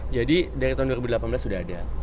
jadi dari tahun dua ribu delapan belas sudah ada